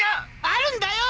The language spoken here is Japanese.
あるんだよ！